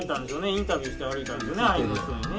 インタビューして歩いたんでしょうね。